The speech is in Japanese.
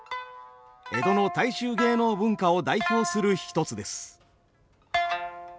江戸の大衆芸能文化を代表する一つです。